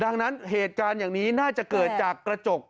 ดังนั้นเหตุการณ์อย่างนี้น่าจะเกิดจากกระจก